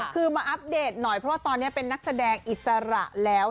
คือมาอัปเดตหน่อยเพราะว่าตอนนี้เป็นนักแสดงอิสระแล้ว